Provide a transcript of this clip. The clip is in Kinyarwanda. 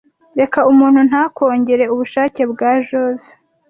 Reka umuntu ntakongere ubushake bwa Jove